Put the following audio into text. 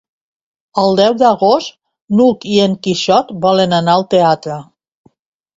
El deu d'agost n'Hug i en Quixot volen anar al teatre.